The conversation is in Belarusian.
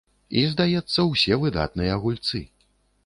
І, здаецца, усе выдатныя гульцы.